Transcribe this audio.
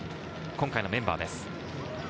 今回のメンバーです。